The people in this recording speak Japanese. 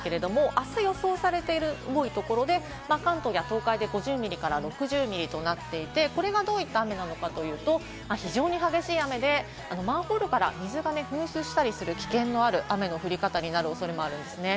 あす予想されている多いところで、関東や東海で５０ミリから６０ミリ、これがどういった雨かというと、非常に激しい雨でマンホールから水が噴出したりする危険がある雨の降り方になる恐れもあるんですね。